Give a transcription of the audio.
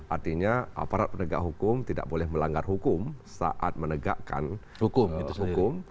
artinya aparat penegak hukum tidak boleh melanggar hukum saat menegakkan hukum